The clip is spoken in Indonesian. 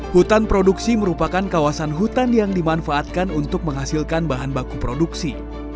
hutan produksi merupakan kawasan hutan yang dimanfaatkan untuk menghasilkan bahan baku produksi